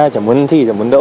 chẳng muốn thi chẳng muốn đỗ